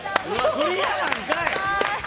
クリアなんかい！